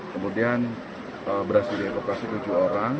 kemudian berhasil dievakuasi tujuh orang